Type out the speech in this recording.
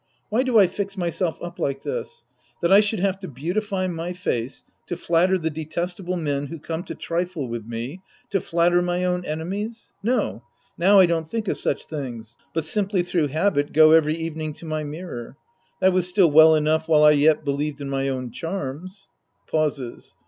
Why do I fix myself up like this ? That I should have to beautify my face to flatter the detestable men who come to trifle with me, to flatter my own enemies ! No, now I don't think of such things, but simply through habit go every evening to my mirror. That was still well enough while I yet believed in my own charms. {Pauses.)